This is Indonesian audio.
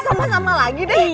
sama sama lagi deh